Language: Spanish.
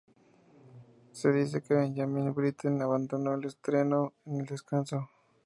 Se dice que Benjamin Britten abandonó el estreno en el descanso.